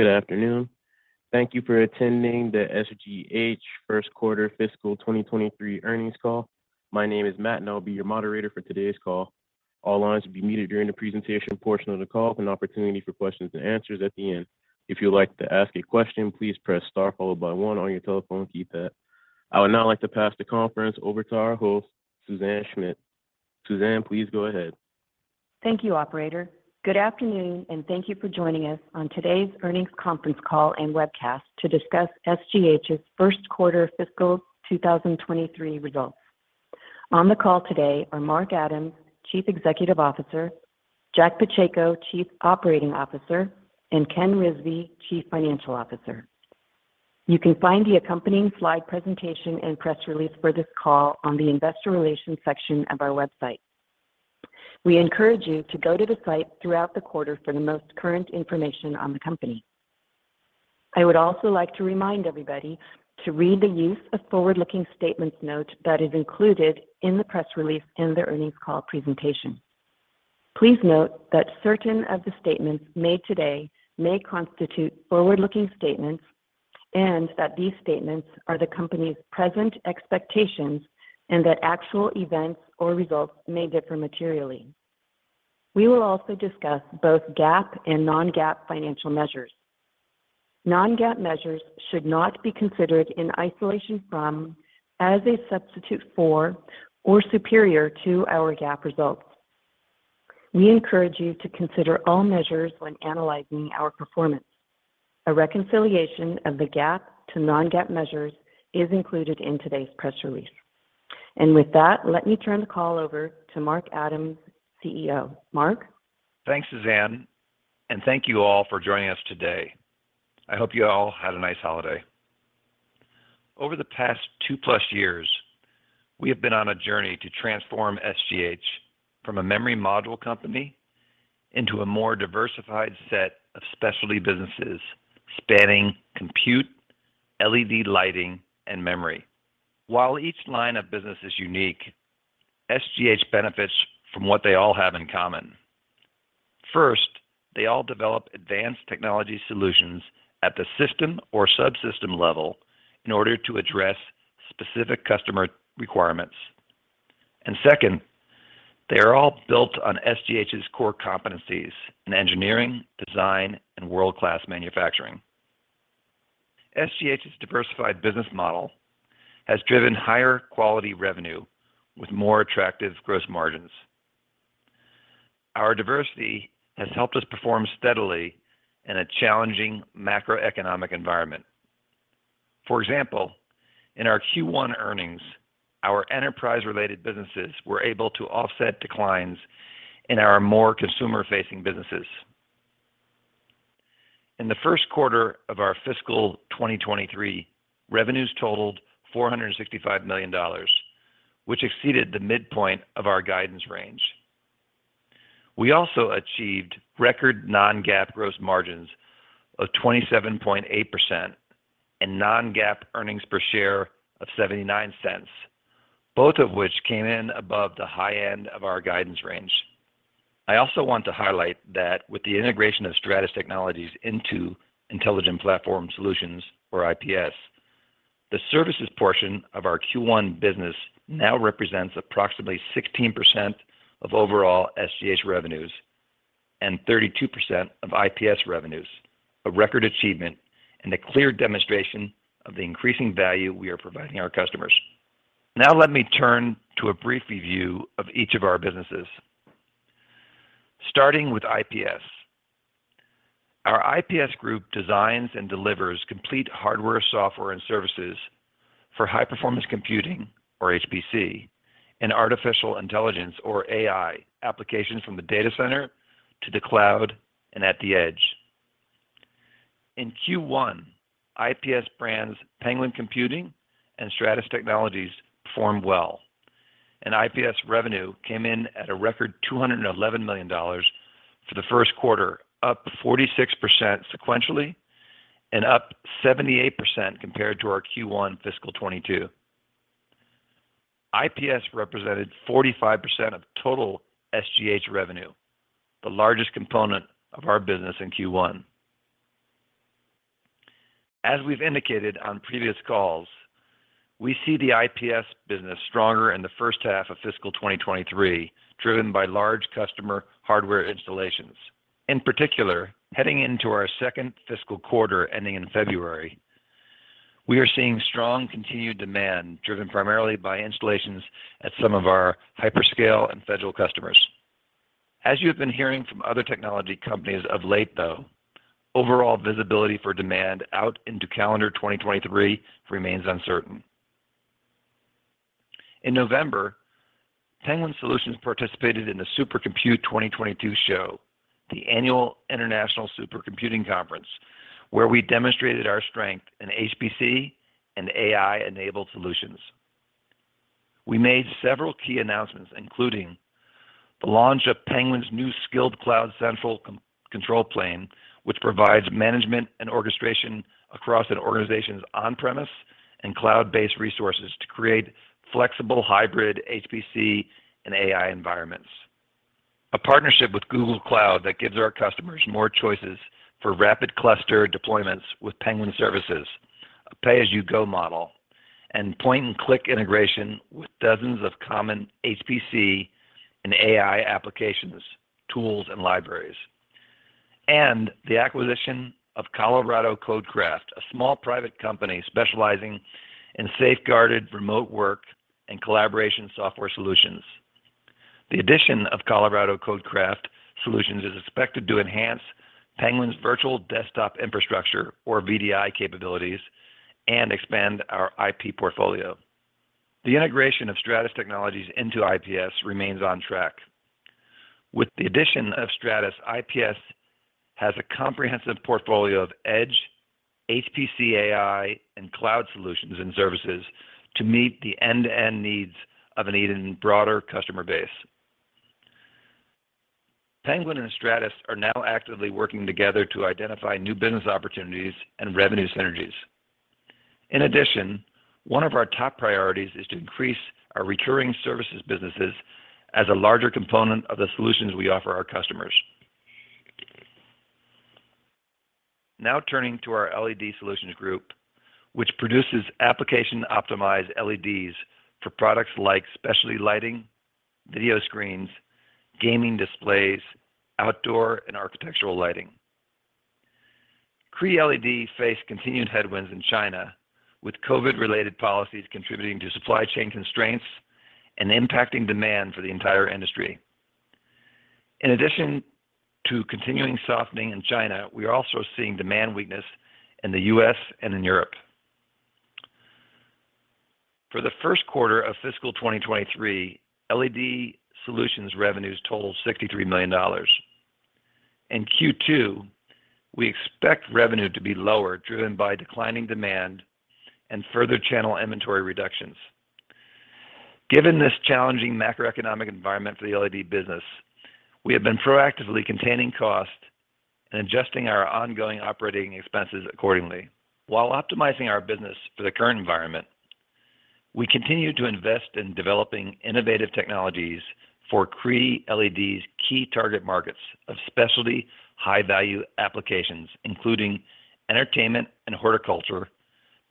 Good afternoon. Thank you for attending the Smart Global Holdings first quarter fiscal 2023 earnings call. My name is Matt, and I'll be your moderator for today's call. All lines will be muted during the presentation portion of the call with an opportunity for questions and answers at the end. If you'd like to ask a question, please press star followed by one on your telephone keypad. I would now like to pass the conference over to our host, Suzanne Schmidt. Suzanne, please go ahead. Thank you, operator. Good afternoon, and thank you for joining us on today's earnings conference call and webcast to discuss SGH's first quarter fiscal 2023 results. On the call today are Mark Adams, Chief Executive Officer, Jack Pacheco, Chief Operating Officer, and Ken Rizvi, Chief Financial Officer. You can find the accompanying slide presentation and press release for this call on the investor relations section of our website. We encourage you to go to the site throughout the quarter for the most current information on the company. I would also like to remind everybody to read the use of forward-looking statements note that is included in the press release in the earnings call presentation. Please note that certain of the statements made today may constitute forward-looking statements and that these statements are the company's present expectations and that actual events or results may differ materially. We will also discuss both GAAP and Non-GAAP financial measures. Non-GAAP measures should not be considered in isolation from, as a substitute for, or superior to our GAAP results. We encourage you to consider all measures when analyzing our performance. A reconciliation of the GAAP to Non-GAAP measures is included in today's press release. With that, let me turn the call over to Mark Adams, Chief Executive Officer. Mark? Thanks, Suzanne, and thank you all for joining us today. I hope you all had a nice holiday. Over the past 2+ years, we have been on a journey to transform SGH from a memory module company into a more diversified set of specialty businesses spanning compute, LED lighting, and memory. While each line of business is unique, SGH benefits from what they all have in common. First, they all develop advanced technology solutions at the system or subsystem level in order to address specific customer requirements. Second, they are all built on SGH's core competencies in engineering, design, and world-class manufacturing. SGH's diversified business model has driven higher quality revenue with more attractive gross margins. Our diversity has helped us perform steadily in a challenging macroeconomic environment. For example, in our Q1 earnings, our enterprise-related businesses were able to offset declines in our more consumer-facing businesses. In the first quarter of our fiscal 2023, revenues totaled $465 million, which exceeded the midpoint of our guidance range. We also achieved record Non-GAAP gross margins of 27.8% and Non-GAAP earnings per share of $0.79, both of which came in above the high end of our guidance range. I also want to highlight that with the integration of Stratus Technologies into Intelligent Platform Solutions, or IPS, the services portion of our Q1 business now represents approximately 16% of overall SGH revenues and 32% of IPS revenues, a record achievement and a clear demonstration of the increasing value we are providing our customers. Let me turn to a brief review of each of our businesses. Starting with IPS. Our IPS group designs and delivers complete hardware, software, and services for high-performance computing, or HPC, and artificial intelligence, or AI, applications from the data center to the cloud and at the edge. In Q1, IPS brands Penguin Computing and Stratus Technologies performed well. IPS revenue came in at a record $211 million for the first quarter, up 46% sequentially and up 78% compared to our Q1 fiscal 2022. IPS represented 45% of total SGH revenue, the largest component of our business in Q1. As we've indicated on previous calls, we see the IPS business stronger in the first half of fiscal 2023, driven by large customer hardware installations. In particular, heading into our second fiscal quarter ending in February, we are seeing strong continued demand driven primarily by installations at some of our hyperscale and federal customers. As you have been hearing from other technology companies of late though, overall visibility for demand out into calendar 2023 remains uncertain. In November, Penguin Solutions participated in the Supercomputing 2022 show, the annual International SuperComputing Conference, where we demonstrated our strength in HPC and AI-enabled solutions. We made several key announcements, including the launch of Penguin's new Scyld Cloud Central control plane, which provides management and orchestration across an organization's on-premise and cloud-based resources to create flexible hybrid HPC and AI environments. A partnership with Google Cloud that gives our customers more choices for rapid cluster deployments with Penguin services, a pay-as-you-go model, and point-and-click integration with dozens of common HPC and AI applications, tools, and libraries. The acquisition of Colorado Code Craft, a small private company specializing in safeguarded remote work and collaboration software solutions. The addition of Colorado Code Craft solutions is expected to enhance Penguin's virtual desktop infrastructure or VDI capabilities and expand our IP portfolio. The integration of Stratus Technologies into IPS remains on track. With the addition of Stratus, IPS has a comprehensive portfolio of edge, HPC/AI, and cloud solutions and services to meet the end-to-end needs of an even broader customer base. Penguin and Stratus are now actively working together to identify new business opportunities and revenue synergies. One of our top priorities is to increase our recurring services businesses as a larger component of the solutions we offer our customers. Turning to our LED Solutions group, which produces application-optimized LEDs for products like specialty lighting, video screens, gaming displays, outdoor and architectural lighting. Cree LED faced continued headwinds in China, with COVID-related policies contributing to supply chain constraints and impacting demand for the entire industry. In addition to continuing softening in China, we are also seeing demand weakness in the U.S. and in Europe. For the first quarter of fiscal 2023, LED Solutions revenues totaled $63 million. In Q2, we expect revenue to be lower, driven by declining demand and further channel inventory reductions. Given this challenging macroeconomic environment for the LED business, we have been proactively containing costs and adjusting our ongoing operating expenses accordingly. While optimizing our business for the current environment, we continue to invest in developing innovative technologies for Cree LED's key target markets of specialty high-value applications, including entertainment and horticulture,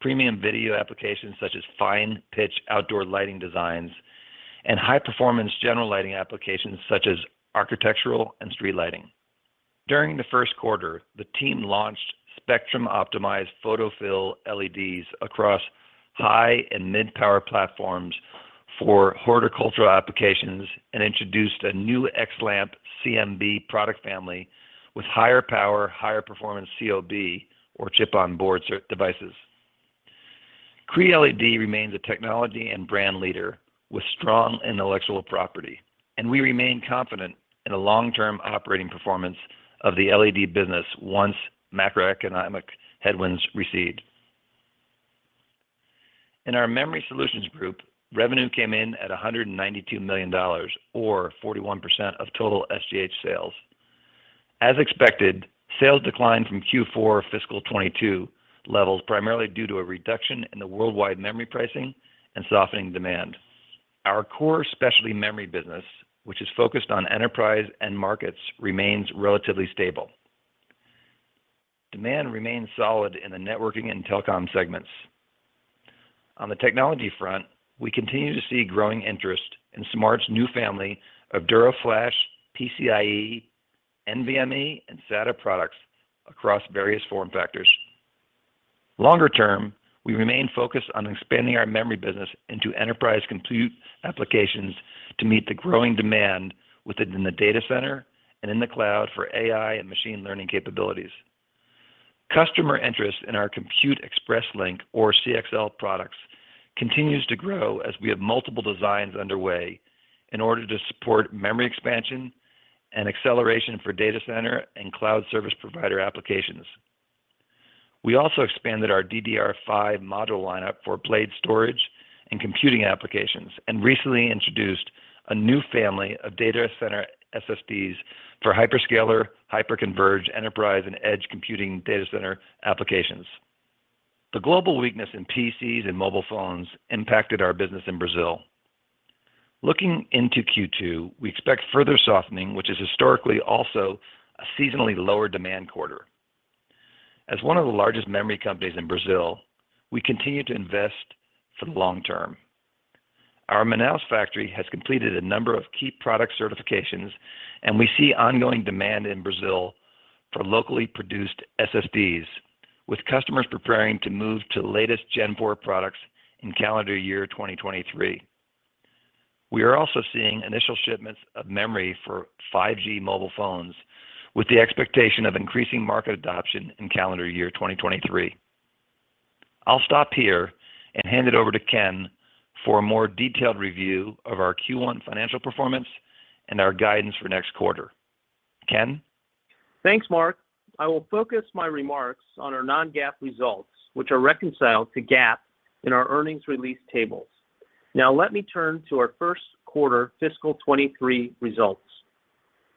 premium video applications such as fine-pitch outdoor lighting designs, and high-performance general lighting applications such as architectural and street lighting. During the first quarter, the team launched spectrum-optimized Photophyll LEDs across high and mid-power platforms for horticultural applications and introduced a new XLamp CMB product family with higher power, higher performance COB or chip-on-board devices. Cree LED remains a technology and brand leader with strong intellectual property, and we remain confident in the long-term operating performance of the LED business once macroeconomic headwinds recede. In our Memory Solutions group, revenue came in at $192 million or 41% of total SGH sales. As expected, sales declined from Q4 fiscal 2022 levels primarily due to a reduction in the worldwide memory pricing and softening demand. Our core specialty memory business, which is focused on enterprise end markets, remains relatively stable. Demand remains solid in the networking and telecom segments. On the technology front, we continue to see growing interest in SMART's new family of DuraFlash PCIe, NVMe, and SATA products across various form factors. Longer term, we remain focused on expanding our memory business into enterprise compute applications to meet the growing demand within the data center and in the cloud for AI and machine learning capabilities. Customer interest in our Compute Express Link or CXL products continues to grow as we have multiple designs underway in order to support memory expansion and acceleration for data center and cloud service provider applications. We also expanded our DDR5 module lineup for blade storage and computing applications, and recently introduced a new family of data center SSDs for hyperscaler, hyperconverged enterprise, and edge computing data center applications. The global weakness in PCs and mobile phones impacted our business in Brazil. Looking into Q2, we expect further softening, which is historically also a seasonally lower demand quarter. As one of the largest memory companies in Brazil, we continue to invest for the long term. Our Manaus factory has completed a number of key product certifications, and we see ongoing demand in Brazil for locally produced SSDs, with customers preparing to move to the latest Gen4 products in calendar year 2023. We are also seeing initial shipments of memory for 5G mobile phones, with the expectation of increasing market adoption in calendar year 2023. I'll stop here and hand it over to Ken for a more detailed review of our Q1 financial performance and our guidance for next quarter. Ken? Thanks, Mark. I will focus my remarks on our Non-GAAP results, which are reconciled to GAAP in our earnings release tables. Let me turn to our first quarter fiscal 2023 results.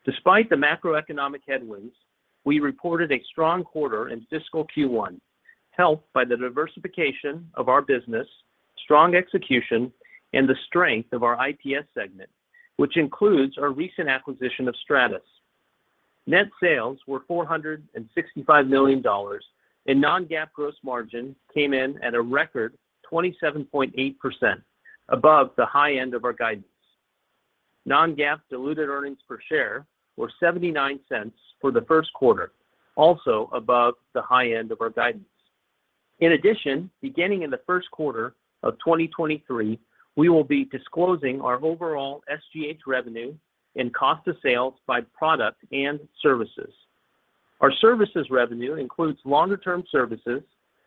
Despite the macroeconomic headwinds, we reported a strong quarter in fiscal Q1. Helped by the diversification of our business, strong execution, and the strength of our IPS segment, which includes our recent acquisition of Stratus. Net sales were $465 million, Non-GAAP gross margin came in at a record 27.8%, above the high end of our guidance. Non-GAAP diluted earnings per share were $0.79 for the first quarter, also above the high end of our guidance. In addition, beginning in the first quarter of 2023, we will be disclosing our overall SGH revenue and cost of sales by product and services. Our services revenue includes longer-term services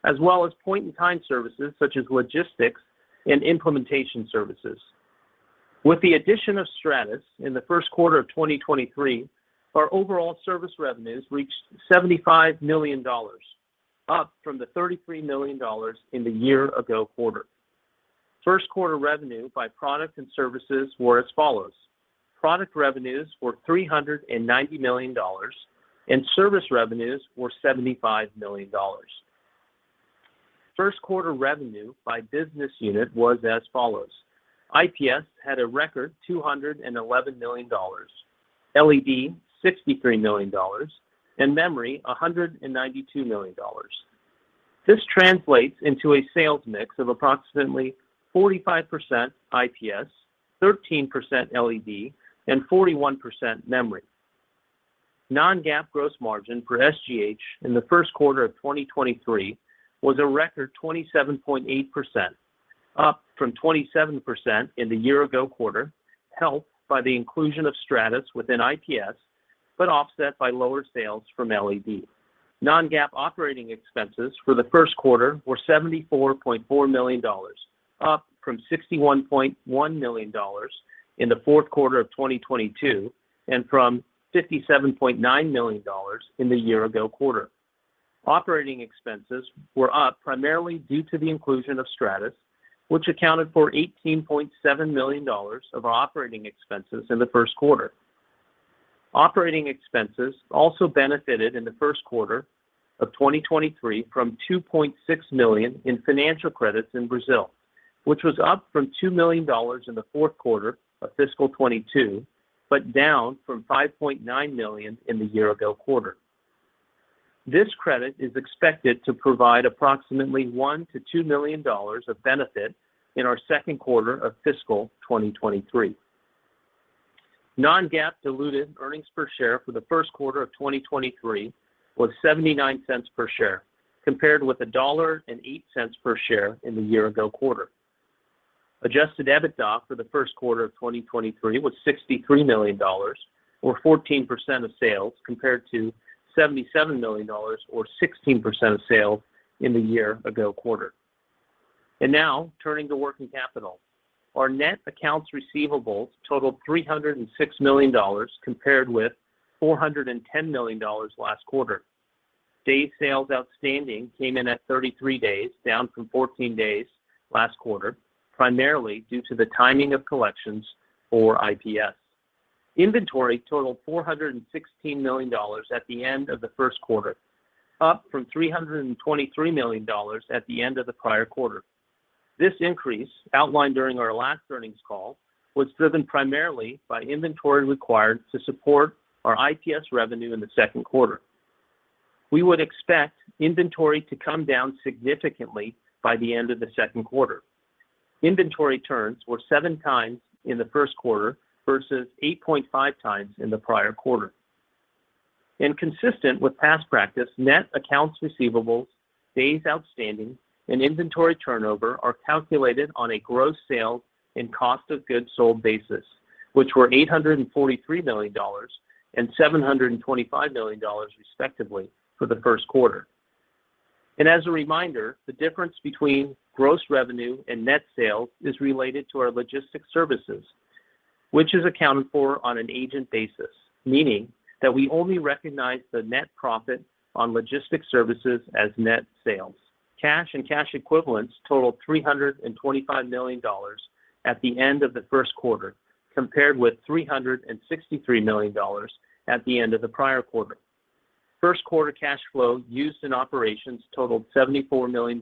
as well as point-in-time services, such as logistics and implementation services. With the addition of Stratus in the first quarter of 2023, our overall service revenues reached $75 million, up from the $33 million in the year ago quarter. First quarter revenue by product and services were as follows: Product revenues were $390 million, and service revenues were $75 million. First quarter revenue by business unit was as follows: IPS had a record $211 million, LED $63 million, and Memory $192 million. This translates into a sales mix of approximately 45% IPS, 13% LED, and 41% Memory. Non-GAAP gross margin for SGH in the first quarter of 2023 was a record 27.8%, up from 27% in the year ago quarter, helped by the inclusion of Stratus within IPS, but offset by lower sales from LED. Non-GAAP operating expenses for the first quarter were $74.4 million, up from $61.1 million in the fourth quarter of 2022, and from $57.9 million in the year ago quarter. Operating expenses were up primarily due to the inclusion of Stratus, which accounted for $18.7 million of operating expenses in the first quarter. Operating expenses also benefited in the first quarter of 2023 from $2.6 million in financial credits in Brazil, which was up from $2 million in the fourth quarter of fiscal 2022, but down from $5.9 million in the year ago quarter. This credit is expected to provide approximately $1 million-$2 million of benefit in our second quarter of fiscal 2023. Non-GAAP diluted earnings per share for the first quarter of 2023 was $0.79 per share, compared with $1.08 per share in the year ago quarter. Adjusted EBITDA for the first quarter of 2023 was $63 million, or 14% of sales, compared to $77 million, or 16% of sales in the year ago quarter. Now turning to working capital. Our net accounts receivables totaled $306 million compared with $410 million last quarter. Day sales outstanding came in at 33 days, down from 14 days last quarter, primarily due to the timing of collections for IPS. Inventory totaled $416 million at the end of the first quarter, up from $323 million at the end of the prior quarter. This increase, outlined during our last earnings call, was driven primarily by inventory required to support our IPS revenue in the second quarter. We would expect inventory to come down significantly by the end of the second quarter. Inventory turns were 7x in the first quarter versus 8.5x in the prior quarter. Consistent with past practice, net accounts receivables, days outstanding, and inventory turnover are calculated on a gross sales and cost of goods sold basis, which were $843 million and $725 million respectively for the first quarter. As a reminder, the difference between gross revenue and net sales is related to our logistics services, which is accounted for on an agent basis, meaning that we only recognize the net profit on logistics services as net sales. Cash and cash equivalents totaled $325 million at the end of the first quarter, compared with $363 million at the end of the prior quarter. First quarter cash flow used in operations totaled $74 million,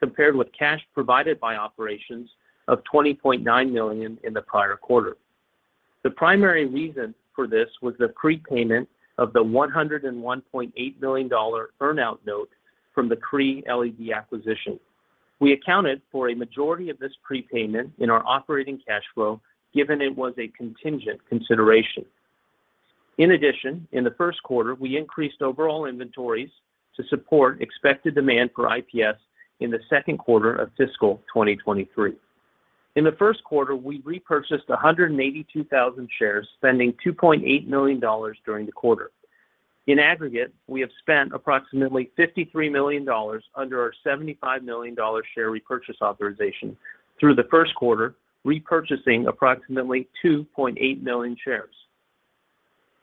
compared with cash provided by operations of $20.9 million in the prior quarter. The primary reason for this was the prepayment of the $101.8 million earn out note from the Cree LED acquisition. We accounted for a majority of this prepayment in our operating cash flow, given it was a contingent consideration. In addition, in the first quarter, we increased overall inventories to support expected demand for IPS in the second quarter of fiscal 2023. In the first quarter, we repurchased 182,000 shares, spending $2.8 million during the quarter. In aggregate, we have spent approximately $53 million under our $75 million share repurchase authorization through the first quarter, repurchasing approximately 2.8 million shares.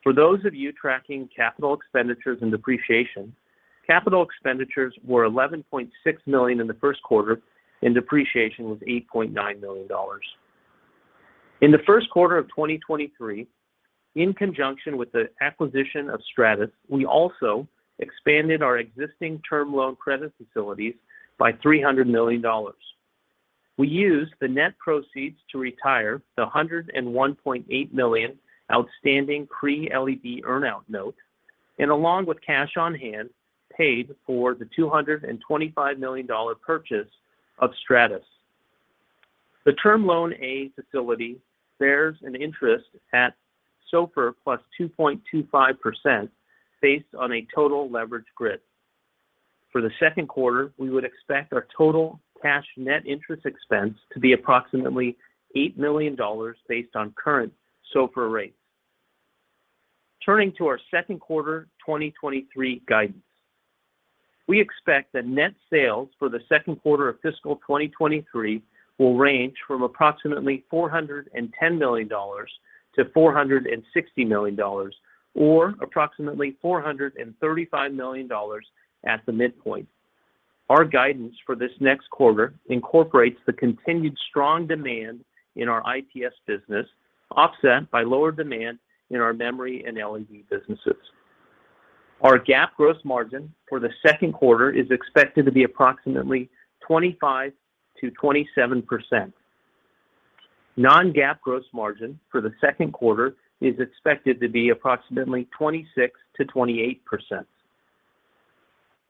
For those of you tracking capital expenditures and depreciation, capital expenditures were $11.6 million in the first quarter, and depreciation was $8.9 million. In the first quarter of 2023, in conjunction with the acquisition of Stratus, we also expanded our existing Term Loan credit facilities by $300 million. We used the net proceeds to retire the $101.8 million outstanding Cree LED earn-out note, and along with cash on hand, paid for the $225 million purchase of Stratus. The Term Loan A facility bears an interest at SOFR+ 2.25% based on a total leverage grid. For the second quarter, we would expect our total cash net interest expense to be approximately $8 million based on current SOFR rates. Turning to our second quarter 2023 guidance. We expect that net sales for the second quarter of fiscal 2023 will range from approximately $410 million-$460 million, or approximately $435 million at the midpoint. Our guidance for this next quarter incorporates the continued strong demand in our IPS business, offset by lower demand in our memory and LED businesses. Our GAAP gross margin for the second quarter is expected to be approximately 25%-27%. Non-GAAP gross margin for the second quarter is expected to be approximately 26%-28%.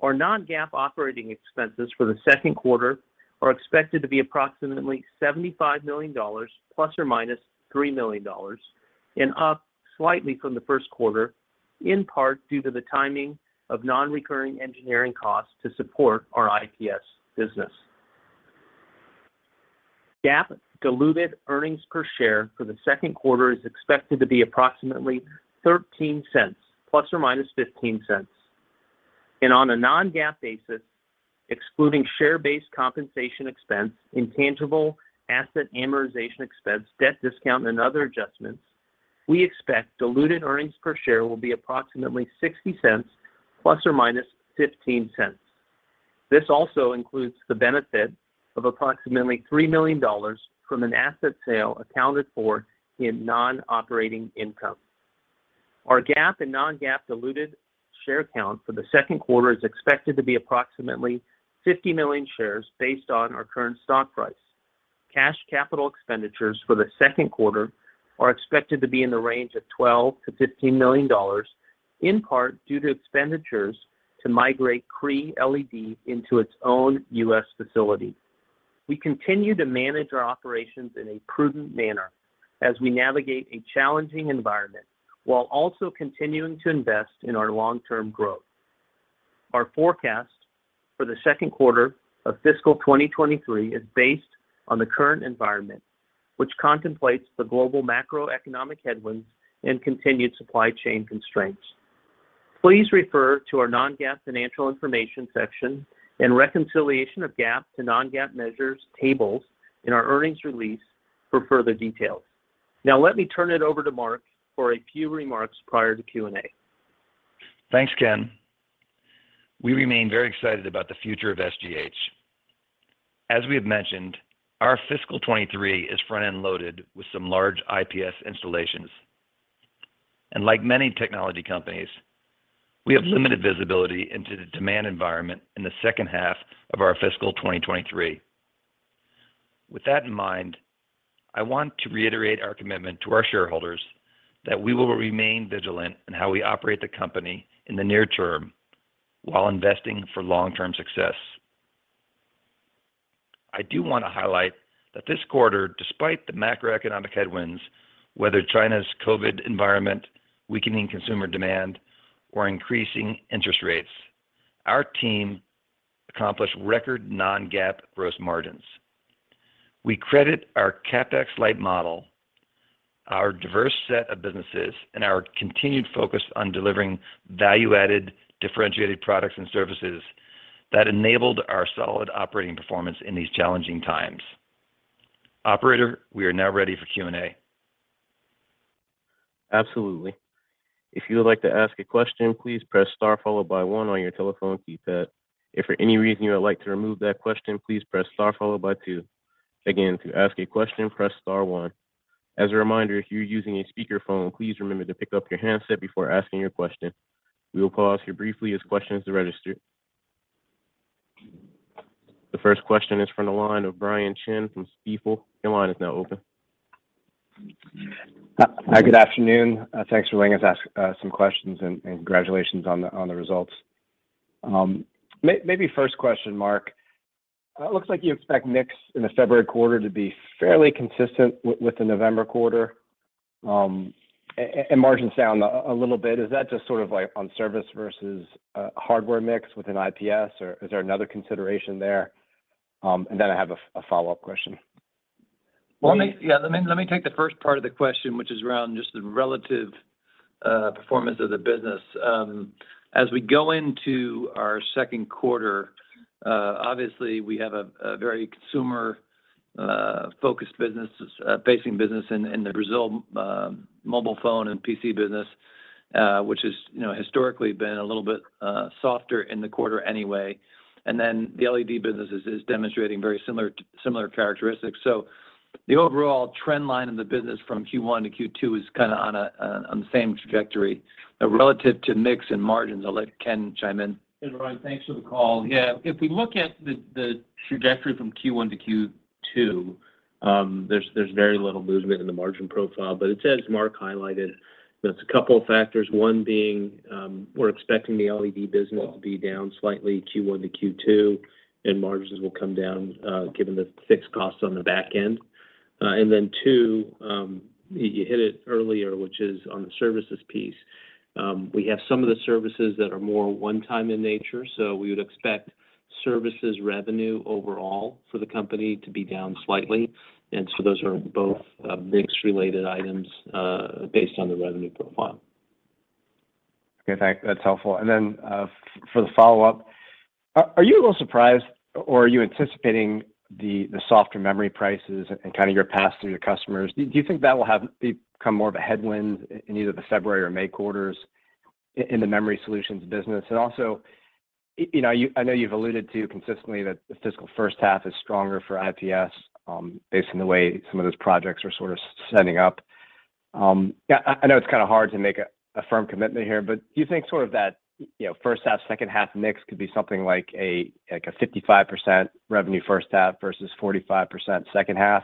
Our Non-GAAP operating expenses for the second quarter are expected to be approximately $75 million ±$3 million and up slightly from the first quarter, in part due to the timing of non-recurring engineering costs to support our IPS business. GAAP diluted earnings per share for the second quarter is expected to be approximately $0.13 ±$0.15. On a Non-GAAP basis, excluding share-based compensation expense, intangible asset amortization expense, debt discount, and other adjustments, we expect diluted earnings per share will be approximately $0.60 ±$0.15. This also includes the benefit of approximately $3 million from an asset sale accounted for in non-operating income. Our GAAP and Non-GAAP diluted share count for the second quarter is expected to be approximately 50 million shares based on our current stock price. Cash capital expenditures for the second quarter are expected to be in the range of $12 million-$15 million, in part due to expenditures to migrate Cree LED into its own US facility. We continue to manage our operations in a prudent manner as we navigate a challenging environment while also continuing to invest in our long-term growth. Our forecast for the second quarter of fiscal 2023 is based on the current environment, which contemplates the global macroeconomic headwinds and continued supply chain constraints. Please refer to our Non-GAAP financial information section and reconciliation of GAAP to Non-GAAP measures tables in our earnings release for further details. Now let me turn it over to Mark for a few remarks prior to Q&A. Thanks, Ken. We remain very excited about the future of SGH. As we have mentioned, our fiscal 2023 is front-end loaded with some large IPS installations. Like many technology companies, we have limited visibility into the demand environment in the second half of our fiscal 2023. With that in mind, I want to reiterate our commitment to our shareholders that we will remain vigilant in how we operate the company in the near term while investing for long-term success. I do want to highlight that this quarter, despite the macroeconomic headwinds, whether China's COVID environment, weakening consumer demand, or increasing interest rates, our team accomplished record Non-GAAP gross margins. We credit our CapEx light model, our diverse set of businesses, and our continued focus on delivering value-added differentiated products and services that enabled our solid operating performance in these challenging times. Operator, we are now ready for Q&A. Absolutely. If you would like to ask a question, please press star followed by one on your telephone keypad. If for any reason you would like to remove that question, please press star followed by two. Again, to ask a question, press star one. As a reminder, if you're using a speakerphone, please remember to pick up your handset before asking your question. We will pause here briefly as questions to register. The first question is from the line of Brian Chin from Stifel. Your line is now open. Hi, good afternoon. Thanks for letting us ask some questions, and congratulations on the results. Maybe first question, Mark. It looks like you expect mix in the February quarter to be fairly consistent with the November quarter, and margins down a little bit. Is that just sort of like on service versus hardware mix within IPS, or is there another consideration there? Then I have a follow-up question. Well, let me, let me take the first part of the question, which is around just the relative performance of the business. As we go into our second quarter, obviously we have a very consumer-focused business facing business in Brazil, mobile phone and PC business, which is, you know, historically been a little bit softer in the quarter anyway. The LED business is demonstrating very similar characteristics. The overall trend line in the business from Q1-Q2 is kinda on the same trajectory. Relative to mix and margins, I'll let Ken chime in. Hey Brian, thanks for the call. If we look at the trajectory from Q1-Q2, there's very little movement in the margin profile, but it's as Mark highlighted, that's a couple of factors. One being, we're expecting the LED business to be down slightly Q1-Q2, and margins will come down, given the fixed costs on the back end. Two, you hit it earlier, which is on the services piece. We have some of the services that are more one-time in nature, so we would expect services revenue overall for the company to be down slightly. Those are both mix related items, based on the revenue profile. Okay. That's helpful. For the follow-up, are you a little surprised or are you anticipating the softer memory prices and kind of your pass through to customers? Do you think that will become more of a headwind in either the February or May quarters in the Memory Solutions business? Also, you know, I know you've alluded to consistently that the fiscal first half is stronger for IPS, based on the way some of those projects are sort of setting up. Yeah. I know it's kinda hard to make a firm commitment here, but do you think sort of that, you know, first half, second half mix could be something like a 55% revenue first half versus 45% second half?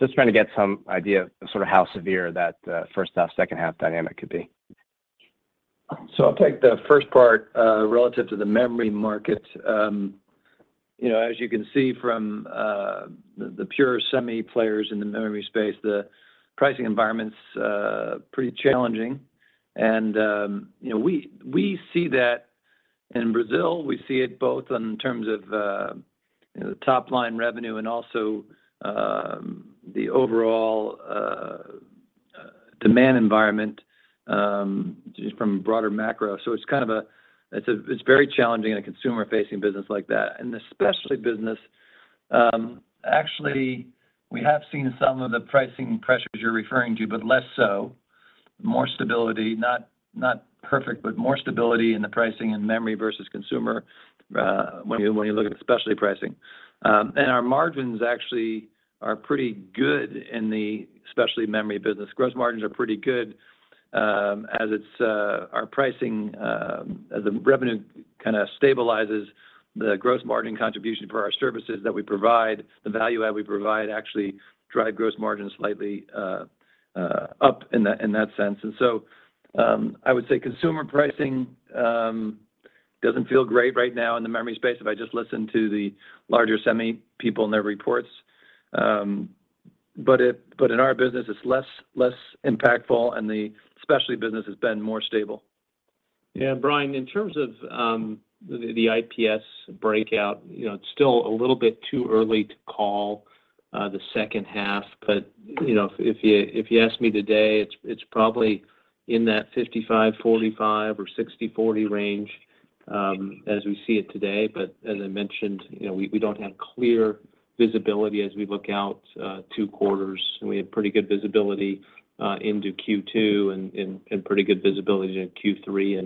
Just trying to get some idea of sort of how severe that, first half, second half dynamic could be. I'll take the first part, relative to the memory market. You know, as you can see from, the pure semi players in the memory space, the pricing environment's pretty challenging. You know, we see that in Brazil. We see it both in terms of, you know, the top line revenue and also, the overall, demand environment, just from broader macro. It's kind of a It's very challenging in a consumer-facing business like that. The specialty business, actually, we have seen some of the pricing pressures you're referring to, but less so. More stability, not perfect, but more stability in the pricing and memory versus consumer, when you look at specialty pricing. Our margins actually are pretty good in the specialty memory business. Gross margins are pretty good, as it's our pricing, as the revenue kinda stabilizes the gross margin contribution for our services that we provide. The value add we provide actually drive gross margin slightly up in that sense. I would say consumer pricing doesn't feel great right now in the memory space if I just listen to the larger semi people in their reports. But in our business, it's less impactful, and the specialty business has been more stable. Yeah. Brian, in terms of the IPS breakout, you know, it's still a little bit too early to call the second half. You know, if you ask me today, it's probably in that 55/45 or 60/40 range as we see it today. As I mentioned, you know, we don't have clear visibility as we look out two quarters, and we have pretty good visibility into Q2 and pretty good visibility into Q3,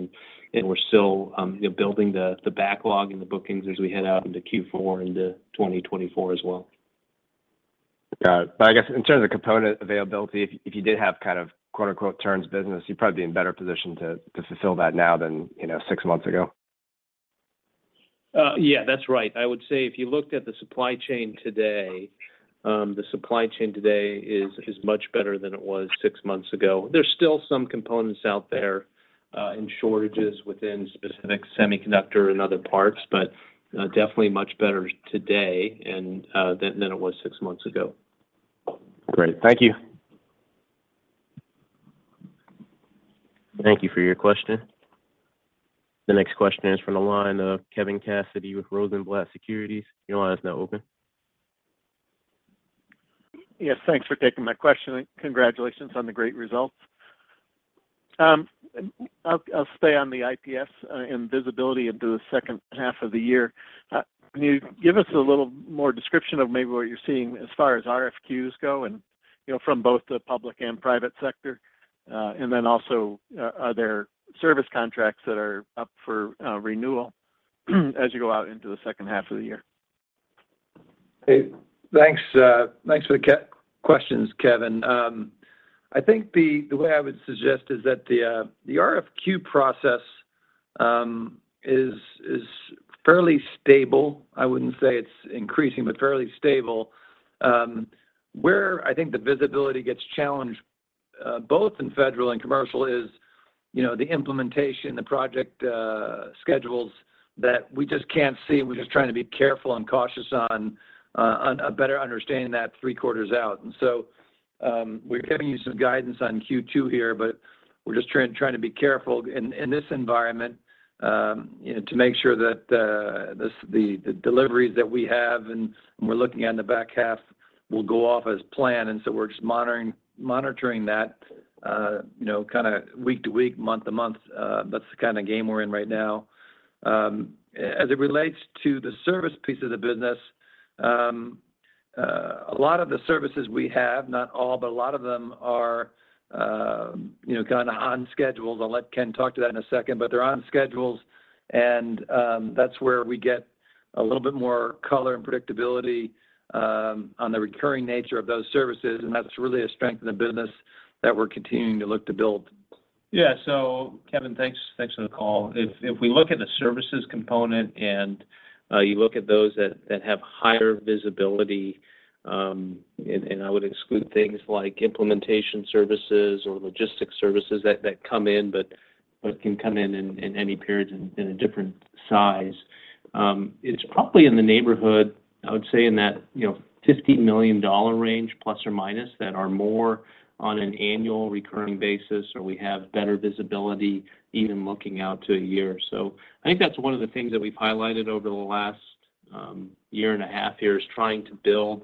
and we're still, you know, building the backlog and the bookings as we head out into Q4 into 2024 as well. Got it. I guess in terms of component availability, if you did have kind of quote unquote turns business, you'd probably be in better position to fulfill that now than, you know, six months ago. Yeah, that's right. I would say if you looked at the supply chain today, the supply chain today is much better than it was 6 months ago. There's still some components out there, and shortages within specific semiconductor and other parts, but definitely much better today and than it was 6 months ago. Great. Thank you. Thank you for your question. The next question is from the line of Kevin Cassidy with Rosenblatt Securities. Your line is now open. Yes. Thanks for taking my question. Congratulations on the great results. I'll stay on the IPS, and visibility into the second half of the year. Can you give us a little more description of maybe what you're seeing as far as RFQs go and, you know, from both the public and private sector? Also, are there service contracts that are up for renewal as you go out into the second half of the year? Hey, thanks for the questions, Kevin. I think the way I would suggest is that the RFQ process is fairly stable. I wouldn't say it's increasing, but fairly stable. Where I think the visibility gets challenged, both in federal and commercial is, you know, the implementation, the project schedules that we just can't see, and we're just trying to be careful and cautious on a better understanding that three-quarters out. We're giving you some guidance on Q2 here, but we're just trying to be careful in this environment, you know, to make sure that the deliveries that we have and we're looking at in the back half will go off as planned. We're just monitoring that, you know, kinda week to week, month to month. That's the kinda game we're in right now. As it relates to the service piece of the business, a lot of the services we have, not all, but a lot of them are, you know, kind of on schedules. I'll let Ken talk to that in a second, but they're on schedules, and that's where we get a little bit more color and predictability on the recurring nature of those services, and that's really a strength of the business that we're continuing to look to build. Kevin, thanks for the call. If we look at the services component and you look at those that have higher visibility, and I would exclude things like implementation services or logistics services that come in, but can come in any periods in a different size. It's probably in the neighborhood, I would say in that, you know, $50 million range± that are more on an annual recurring basis or we have better visibility even looking out to a year. I think that's one of the things that we've highlighted over the last year and a half here is trying to build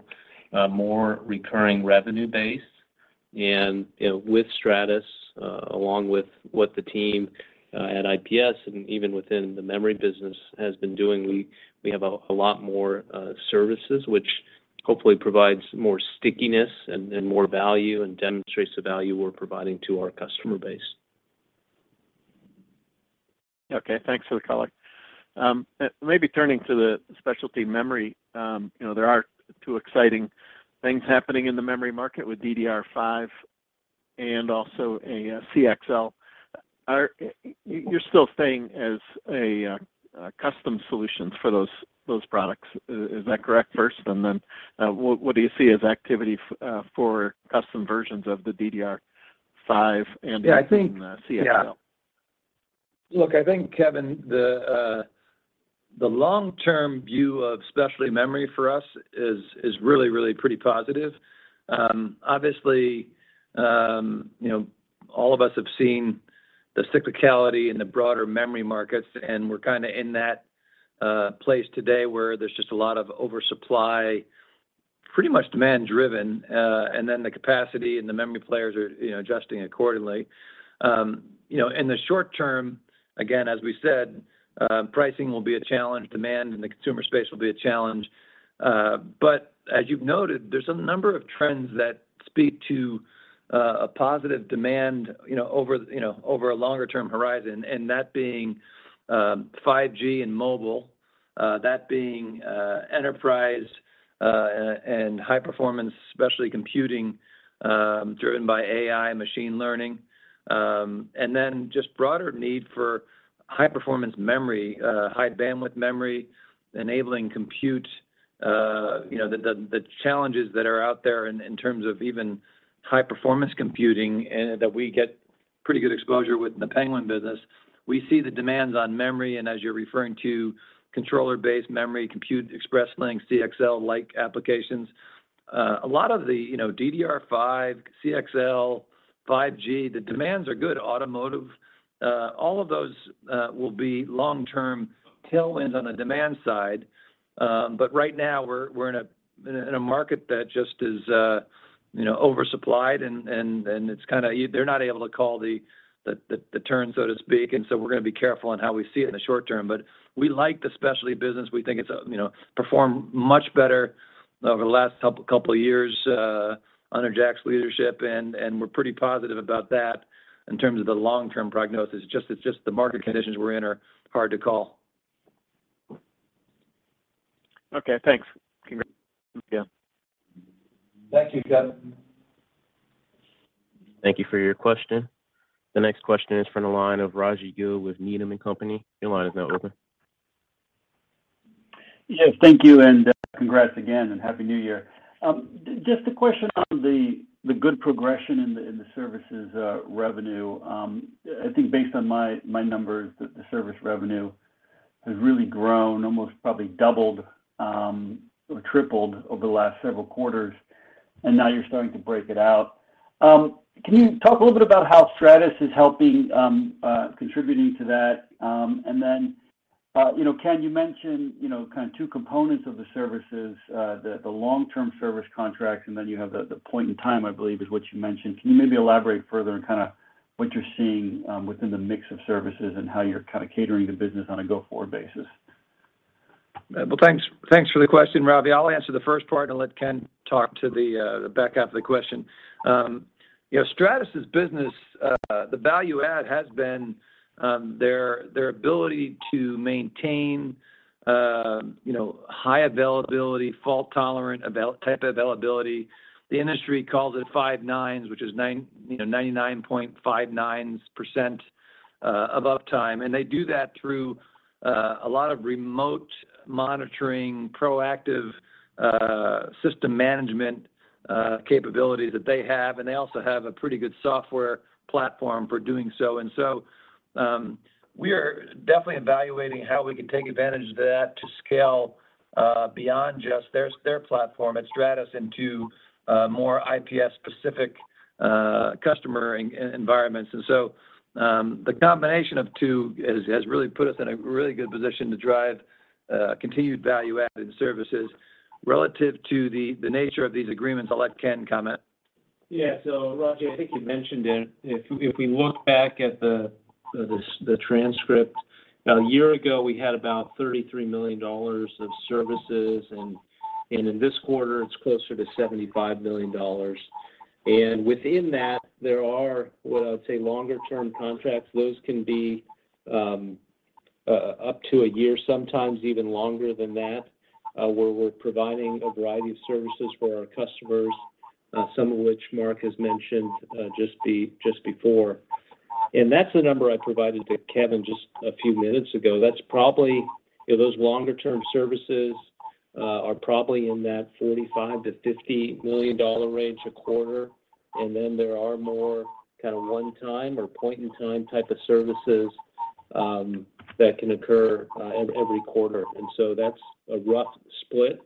a more recurring revenue base. You know, with Stratus, along with what the team at IPS and even within the memory business has been doing, we have a lot more services which hopefully provides more stickiness and more value and demonstrates the value we're providing to our customer base. Okay. Thanks for the color. maybe turning to the specialty memory, you know, there are two exciting things happening in the memory market with DDR5 and also CXL. You're still staying as a custom solutions for those products. Is that correct first? Then, what do you see as activity for custom versions of the DDR5 and... Yeah. CXL? Yeah. Look, I think, Kevin, the long-term view of specialty memory for us is really, really pretty positive. Obviously, you know, all of us have seen the cyclicality in the broader memory markets, and we're kind of in that place today where there's just a lot of oversupply, pretty much demand driven, and then the capacity and the memory players are, you know, adjusting accordingly. You know, in the short term, again, as we said, pricing will be a challenge. Demand in the consumer space will be a challenge. As you've noted, there's a number of trends that speak to a positive demand, you know, over, you know, over a longer term horizon, and that being 5G and mobile, that being enterprise and high performance, especially computing, driven by AI and machine learning, and then just broader need for high performance memory, high bandwidth memory enabling compute. You know, the challenges that are out there in terms of even high performance computing and that we get pretty good exposure with in the Penguin business. We see the demands on memory, and as you're referring to controller-based memory, Compute Express Link, CXL-like applications. A lot of the, you know, DDR5, CXL, 5G, the demands are good. Automotive, all of those will be long-term tailwinds on the demand side. Right now we're in a market that just is, you know, oversupplied. They're not able to call the turn, so to speak. We're gonna be careful on how we see it in the short term, but we like the specialty business. We think it's, you know, performed much better over the last couple of years under Jack's leadership, and we're pretty positive about that in terms of the long-term prognosis. It's just the market conditions we're in are hard to call. Okay, thanks. Congrats. Yeah. Thank you, Kevin. Thank you for your question. The next question is from the line of Rajvindra Gill with Needham & Company. Your line is now open. Yes, thank you, and congrats again, and Happy New Year. Just a question on the good progression in the, in the services revenue. I think based on my numbers, the service revenue has really grown, almost probably doubled, or tripled over the last several quarters, and now you're starting to break it out. Can you talk a little bit about how Stratus is helping contributing to that? You know, Ken, you mentioned kind of two components of the services, the long-term service contracts, and then you have the point in time, I believe, is what you mentioned. Can you maybe elaborate further on kind of what you're seeing within the mix of services and how you're kind of catering the business on a go-forward basis? Well, thanks. Thanks for the question, Rajvindra. I'll answer the first part and let Ken talk to the back half of the question. You know, Stratus's business, the value add has been their ability to maintain, you know, high availability, fault-tolerant type availability. The industry calls it five nines, which is, you know, 99.5 nines % of uptime, and they do that through a lot of remote monitoring, proactive system management capabilities that they have, and they also have a pretty good software platform for doing so. We are definitely evaluating how we can take advantage of that to scale beyond just their platform at Stratus into more IPS-specific customer environments. The combination of two has really put us in a really good position to drive continued value-added services. Relative to the nature of these agreements, I'll let Ken comment. Rajvindra, I think you mentioned it. If we look back at the transcript A year ago, we had about $33 million of services, and in this quarter it's closer to $75 million. Within that, there are, what I would say, longer-term contracts. Those can be up to a year, sometimes even longer than that, where we're providing a variety of services for our customers, some of which Mark has mentioned just before. That's the number I provided to Kevin just a few minutes ago. That's probably. Those longer-term services are probably in that $45 million-$50 million range a quarter. Then there are more kind of one-time or point-in-time type of services that can occur every quarter. So that's a rough split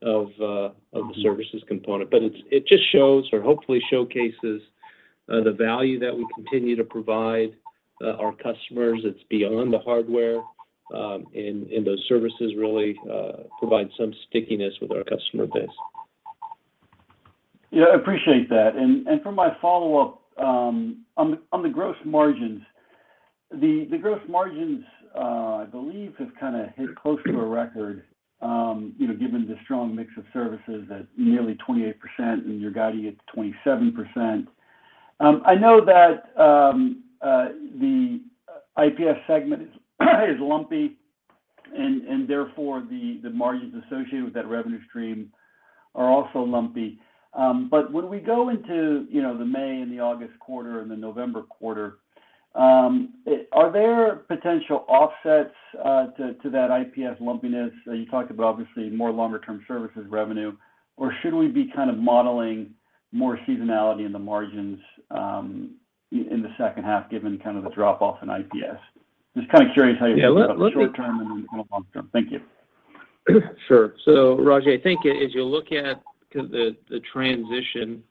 of the services component. It just shows or hopefully showcases, the value that we continue to provide, our customers. It's beyond the hardware, and those services really, provide some stickiness with our customer base. Yeah, I appreciate that. For my follow-up, on the gross margins. The gross margins, I believe, have kind of hit close to a record, you know, given the strong mix of services at nearly 28% and you're guiding at 27%. I know that the IPS segment is lumpy and therefore, the margins associated with that revenue stream are also lumpy. When we go into, you know, the May and the August quarter and the November quarter, are there potential offsets to that IPS lumpiness? You talked about obviously more longer-term services revenue, or should we be kind of modeling more seasonality in the margins in the second half given kind of the drop-off in IPS? Just kind of curious how you're thinking about short-term and then kind of long-term. Thank you. Sure. Raji, I think as you look at the transition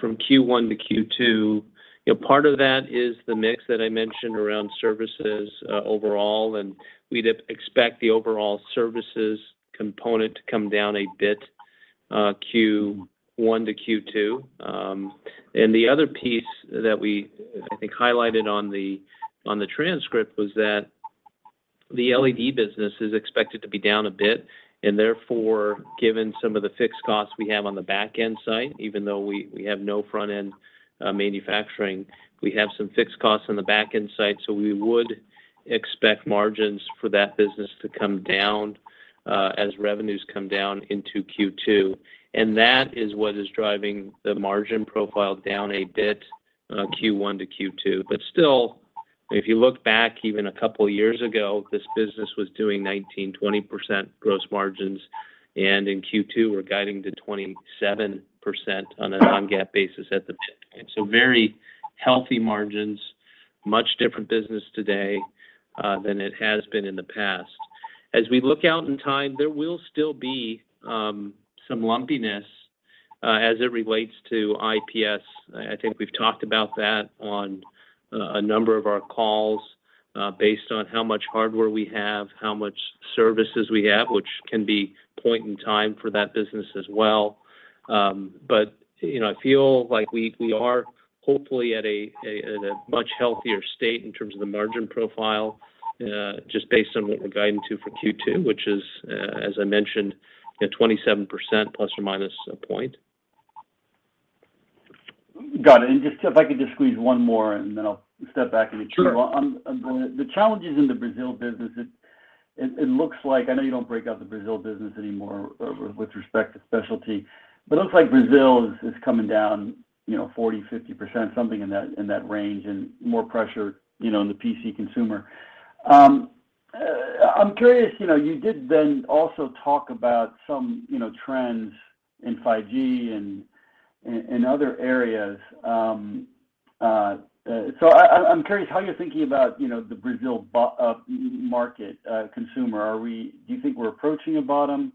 from Q1 to Q2, you know, part of that is the mix that I mentioned around services overall, and we'd expect the overall services component to come down a bit Q1 to Q2. And the other piece that we, I think highlighted on the transcript was that the LED business is expected to be down a bit, and therefore, given some of the fixed costs we have on the back-end side, even though we have no front-end manufacturing, we have some fixed costs on the back-end side, so we would expect margins for that business to come down as revenues come down into Q2. And that is what is driving the margin profile down a bit Q1 to Q2. Still, if you look back even a couple of years ago, this business was doing 19%-20% gross margins, and in Q2, we're guiding to 27% on a Non-GAAP basis at the midpoint. Very healthy margins, much different business today than it has been in the past. We look out in time, there will still be some lumpiness as it relates to IPS. I think we've talked about that on a number of our calls, based on how much hardware we have, how much services we have, which can be point in time for that business as well. You know, I feel like we are hopefully at a much healthier state in terms of the margin profile, just based on what we're guiding to for Q2, which is, as I mentioned, at 27% ± a point. Got it. Just if I could just squeeze one more and then I'll step back and be quiet. Sure. On the challenges in the Brazil business, it looks like, I know you don't break out the Brazil business anymore with respect to specialty, but it looks like Brazil is coming down, you know, 40%-50%, something in that, in that range, and more pressure, you know, in the PC consumer. I'm curious, you know, you did then also talk about some, you know, trends in 5G and in other areas. I'm curious how you're thinking about, you know, the Brazil market, consumer. Do you think we're approaching a bottom?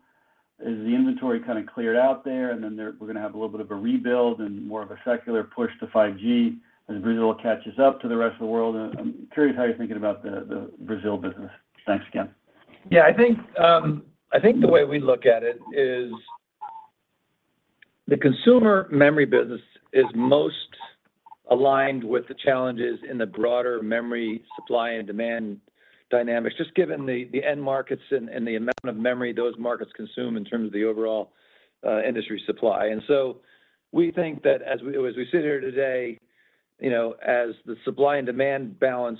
Is the inventory kind of cleared out there, and then we're going to have a little bit of a rebuild and more of a secular push to 5G, and Brazil catches up to the rest of the world? I'm curious how you're thinking about the Brazil business. Thanks again. Yeah, I think, I think the way we look at it is the consumer memory business is most aligned with the challenges in the broader memory supply and demand dynamics, just given the end markets and the amount of memory those markets consume in terms of the overall industry supply. We think that as we sit here today, you know, as the supply and demand balance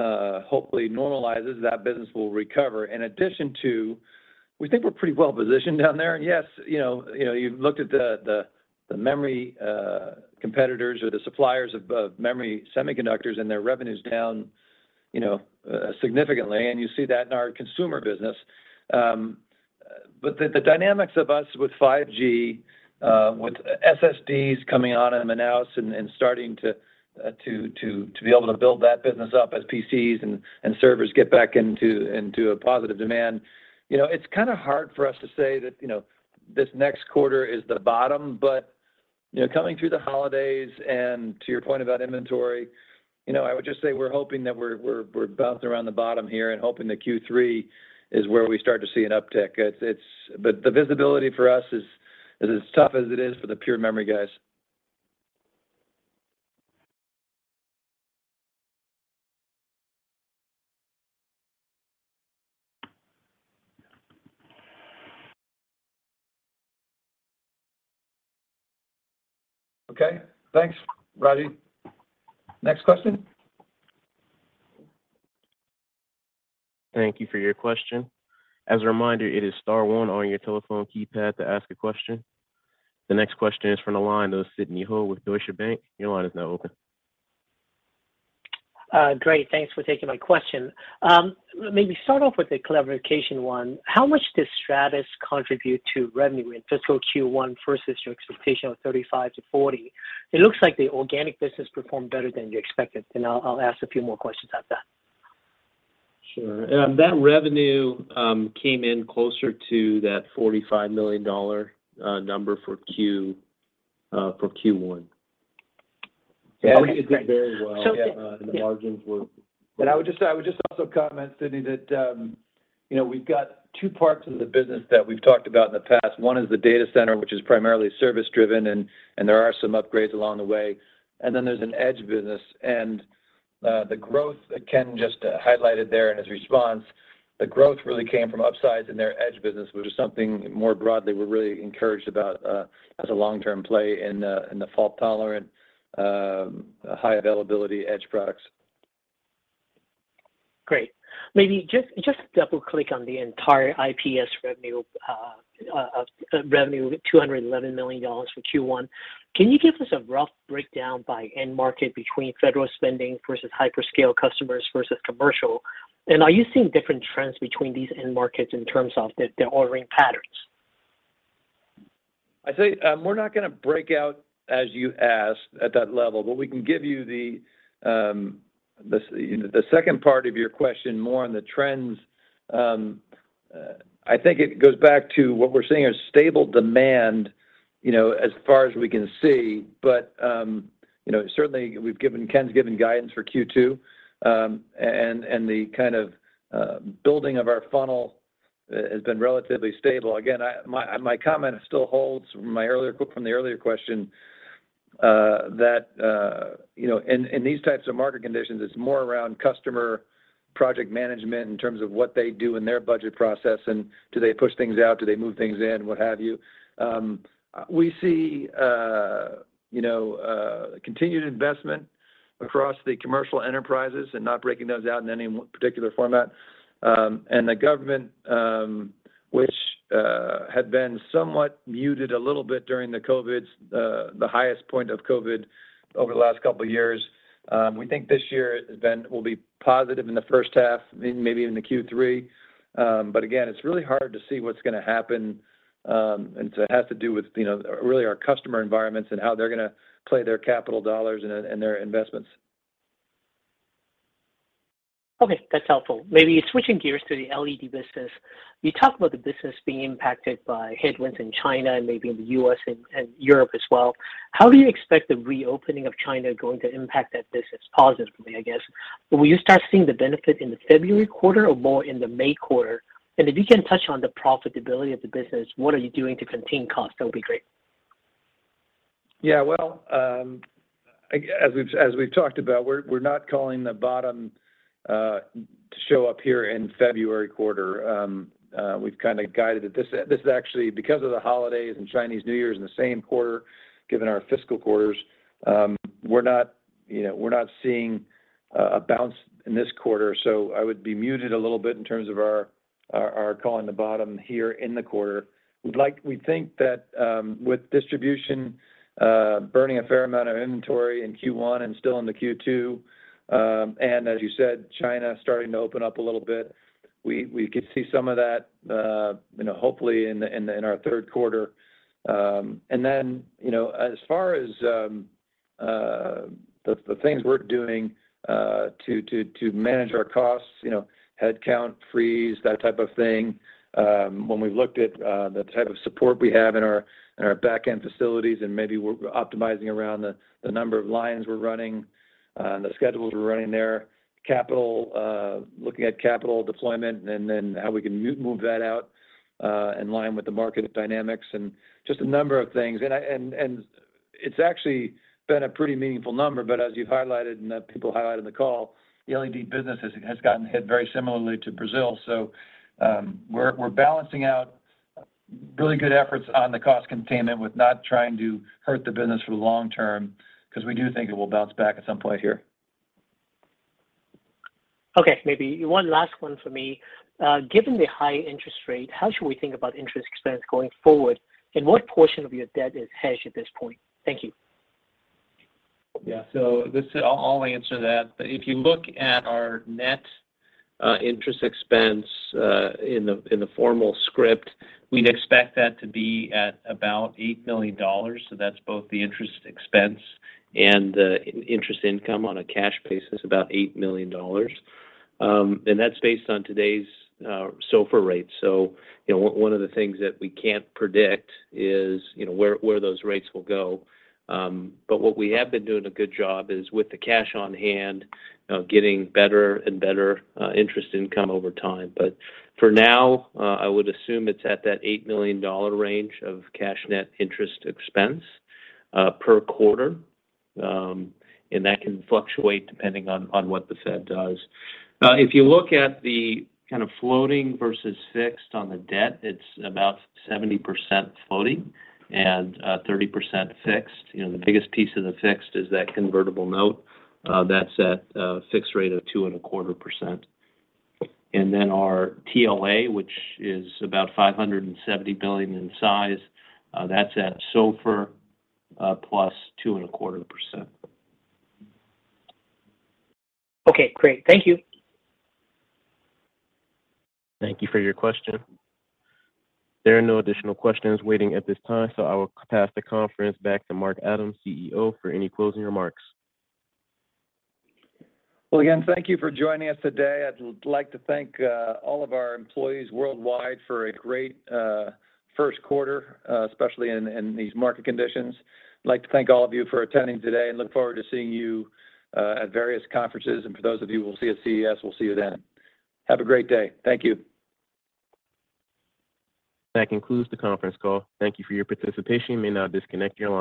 hopefully normalizes, that business will recover. In addition to, we think we're pretty well positioned down there. Yes, you know, you know, you've looked at the memory competitors or the suppliers of memory semiconductors, and their revenue's down, you know, significantly, and you see that in our consumer business. The dynamics of us with 5G, with SSDs coming out of Manaus and starting to be able to build that business up as PCs and servers get back into a positive demand. You know, it's kind of hard for us to say that, you know, this next quarter is the bottom. You know, coming through the holidays and to your point about inventory, you know, I would just say we're hoping that we're bouncing around the bottom here and hoping that Q3 is where we start to see an uptick. The visibility for us is as tough as it is for the pure memory guys. Okay. Thanks, Raji. Next question. Thank you for your question. As a reminder, it is star one on your telephone keypad to ask a question. The next question is from the line of Sidney Ho with Deutsche Bank. Your line is now open. Great. Thanks for taking my question. Maybe start off with a clarification one. How much does Stratus contribute to revenue in fiscal Q1 versus your expectation of $35 million-$40 million? It looks like the organic business performed better than you expected. I'll ask a few more questions after that. Sure. That revenue came in closer to that $45 million number for Q1. Okay, great. Yeah, it did very well. So then- Yeah. the margins were... I would just also comment, Sidney, that, you know, we've got two parts of the business that we've talked about in the past. One is the data center, which is primarily service driven, and there are some upgrades along the way. then there's an edge business. the growth that Ken just highlighted there in his response, the growth really came from upsides in their edge business, which is something more broadly we're really encouraged about, as a long-term play in the, in the fault-tolerant, high availability edge products. Great. Maybe just double-click on the entire IPS revenue of revenue with $211 million for Q1. Can you give us a rough breakdown by end market between federal spending versus hyperscale customers versus commercial? Are you seeing different trends between these end markets in terms of their ordering patterns? I'd say, we're not gonna break out as you asked at that level, but we can give you the, you know, the second part of your question more on the trends. I think it goes back to what we're seeing as stable demand, you know, as far as we can see. But, you know, certainly we've given... Ken's given guidance for Q2. And the kind of building of our funnel has been relatively stable. Again, I, my comment still holds from my earlier from the earlier question, that, you know, in these types of market conditions, it's more around customer project management in terms of what they do in their budget process, and do they push things out, do they move things in, what have you. We see, you know, continued investment across the commercial enterprises and not breaking those out in any particular format. The government, which had been somewhat muted a little bit during the COVID, the highest point of COVID over the last couple of years. We think this year will be positive in the first half, maybe even the Q3. Again, it's really hard to see what's gonna happen, it has to do with, you know, really our customer environments and how they're gonna play their capital dollars and their investments. Okay, that's helpful. Maybe switching gears to the LED business. You talk about the business being impacted by headwinds in China and maybe in the US and Europe as well. How do you expect the reopening of China going to impact that business positively, I guess? Will you start seeing the benefit in the February quarter or more in the May quarter? If you can touch on the profitability of the business, what are you doing to contain costs, that would be great. Well, as we've talked about, we're not calling the bottom to show up here in February quarter. We've kinda guided it. This is actually because of the holidays and Chinese New Year in the same quarter, given our fiscal quarters, we're not, you know, we're not seeing a bounce in this quarter. I would be muted a little bit in terms of our calling the bottom here in the quarter. We think that with distribution burning a fair amount of inventory in Q1 and still in the Q2, as you said, China starting to open up a little bit, we could see some of that, you know, hopefully in the, in our third quarter. Then, you know, as far as the things we're doing to manage our costs, you know, headcount freeze, that type of thing. When we've looked at the type of support we have in our backend facilities, and maybe we're optimizing around the number of lines we're running, the schedules we're running there. Looking at capital deployment and then how we can move that out in line with the market dynamics and just a number of things. It's actually been a pretty meaningful number. As you've highlighted, and people highlighted in the call, the LED business has gotten hit very similarly to Brazil. We're balancing out really good efforts on the cost containment with not trying to hurt the business for the long term because we do think it will bounce back at some point here. Okay. Maybe one last one for me. Given the high interest rate, how should we think about interest expense going forward? What portion of your debt is hedged at this point? Thank you. I'll answer that. If you look at our net interest expense in the formal script, we'd expect that to be at about $8 million. That's both the interest expense and interest income on a cash basis, about $8 million. That's based on today's SOFR rate. you know, one of the things that we can't predict is, you know, where those rates will go. What we have been doing a good job is with the cash on hand, getting better and better interest income over time. For now, I would assume it's at that $8 million range of cash net interest expense per quarter. That can fluctuate depending on what the Fed does. If you look at the kind of floating versus fixed on the debt, it's about 70% floating and 30% fixed. You know, the biggest piece of the fixed is that convertible note, that's at a fixed rate of 2.25%. Our TLA, which is about $570 billion in size, that's at SOFR +2.25%. Okay, great. Thank you. Thank you for your question. There are no additional questions waiting at this time. I will pass the conference back to Mark Adams, Chief Executive Officer, for any closing remarks. Well, again, thank you for joining us today. I'd like to thank all of our employees worldwide for a great first quarter, especially in these market conditions. I'd like to thank all of you for attending today and look forward to seeing you at various conferences. For those of you who will see us at CES, we'll see you then. Have a great day. Thank you. That concludes the conference call. Thank you for your participation. You may now disconnect your line.